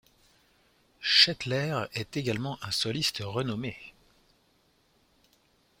Shetler est également un soliste renommé.